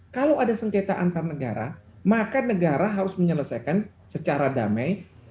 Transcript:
kalau ada sengketa antar negara maka negara harus menyelesaikan secara damai